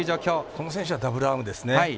この選手はダブルアームですね。